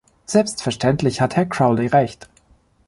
Selbstverständlich hat Herr Crowley Recht.